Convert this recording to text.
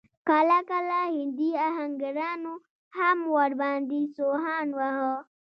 کله کله هندي اهنګرانو هم ور باندې سوهان واهه.